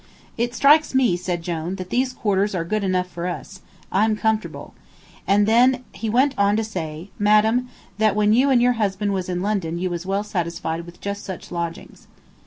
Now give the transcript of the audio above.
"It strikes me," said Jone, "that these quarters are good enough for us. I'm comfortable." And then he went on to say, madam, that when you and your husband was in London you was well satisfied with just such lodgings.